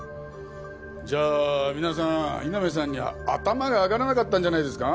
じゃあ皆さん井波さんには頭が上がらなかったんじゃないですか？